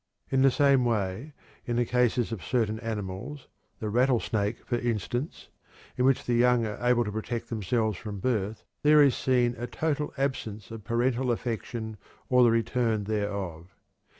In the same way, in the cases of certain animals (the rattlesnake, for instance) in which the young are able to protect themselves from birth, there is seen a total absence of parental affection or the return thereof.